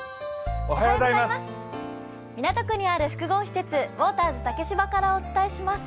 港区にある複合施設、ウォーターズ竹芝からお伝えします。